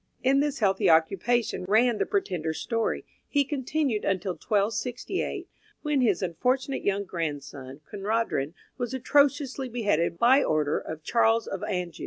In this healthy occupation, ran the pretender's story, he continued until 1268, when his unfortunate young grandson Conradrin was atrociously beheaded by order of Charles of Anjou.